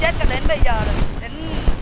chết cho đến bây giờ là đến